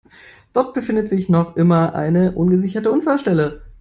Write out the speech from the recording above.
Dort befindet sich noch immer eine ungesicherte Unfallstelle.